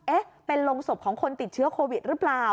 เอ๊ะเป็นโรงศพของคนติดเชื้อโควิดหรือเปล่า